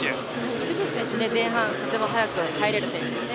水口選手前半、とても早く入れる選手ですね。